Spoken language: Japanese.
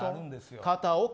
片岡